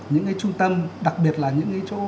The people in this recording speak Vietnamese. những cái trung tâm đặc biệt là những cái chỗ